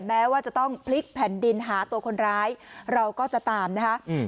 แม้ว่าจะต้องพลิกแผ่นดินหาตัวคนร้ายเราก็จะตามนะคะอืม